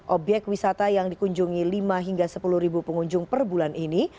obyek wisata yang dikunjungi lima hingga sepuluh pengunjung per bulan ini